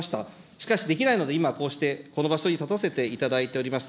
しかしできないので、今こうして、この場所に立たせていただいております。